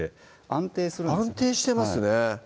安定してますね